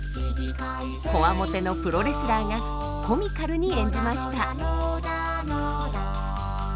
こわもてのプロレスラーがコミカルに演じました。